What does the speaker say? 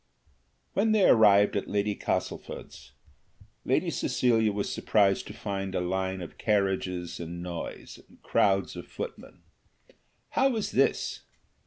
When they arrived at Lady Castlefort's, Lady Cecilia was surprised to find a line of carriages, and noise, and crowds of footmen. How was this?